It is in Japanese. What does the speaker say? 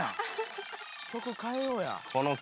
曲変えようや。